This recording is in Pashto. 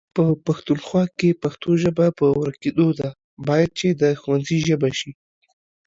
په پښتونخوا کې پښتو ژبه په ورکيدو ده، بايد چې د ښونځي ژبه شي